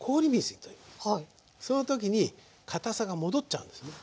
その時にかたさが戻っちゃうんですね。